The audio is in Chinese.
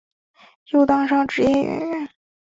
又当上职业演员。